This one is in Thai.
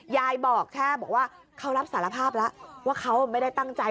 ยายบอกแค่บอกว่าเขารับสารภาพแล้วว่าเขาไม่ได้ตั้งใจ